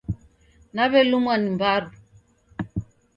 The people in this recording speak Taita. Naw'elumwa ni mbaru.